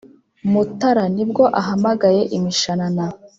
Mutara ni bwo ahamagaye imishanana